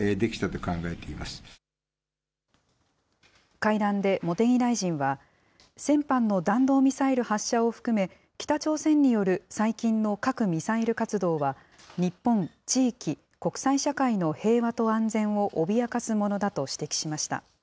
会談で茂木大臣は、先般の弾道ミサイル発射を含め、北朝鮮による最近の核・ミサイル活動は、日本、地域、国際社会の平和と安全を脅かすものだと指摘しました。